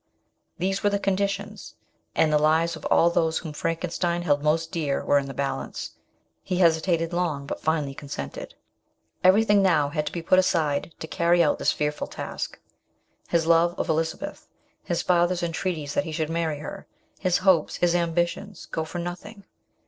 These were the conditions, and the lives of all those whom Frankenstein held most dear were in the balance ; he hesitated long, but finally consented. Everything now had to be put aside to carry out this fearful task his love of Elizabeth, his father's entreaties that he should marry her, his hopes, his ambitions, go for nothing.